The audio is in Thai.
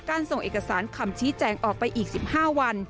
ส่งเอกสารคำชี้แจงออกไปอีก๑๕วัน